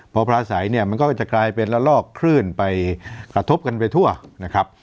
พอปลาใสเนี่ยมันก็จะกลายเป็นละลอกคลื่นไปกระทบกันไปทั่วนะครับ